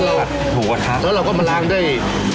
แล้วเราก็มาล้างด้วย